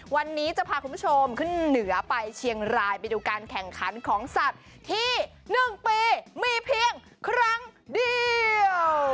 วันนี้จะพาคุณผู้ชมขึ้นเหนือไปเชียงรายไปดูการแข่งขันของสัตว์ที่๑ปีมีเพียงครั้งเดียว